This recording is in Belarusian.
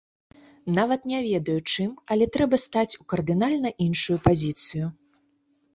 Нават не ведаю, чым, але трэба стаць у кардынальна іншую пазіцыю!